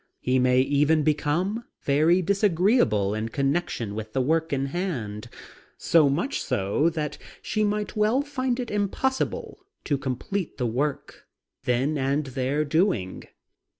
He may even become very disagreeable in connection with the work in hand, so much so that she might well find it impossible to complete the work then and there doing.